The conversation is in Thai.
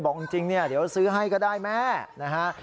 บอกจริงเนี่ยเดี๋ยวซื้อให้ก็ได้แม่นะฮะ